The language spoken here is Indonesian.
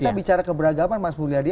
kita bicara keberagaman mas mulyadi